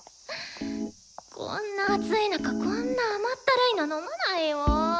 こんな暑い中こんな甘ったるいの飲まないよ。